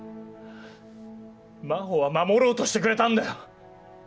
真帆は守ろうとしてくれたんだよ。